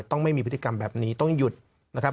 ต้องไม่มีพฤติกรรมแบบนี้ต้องหยุดนะครับ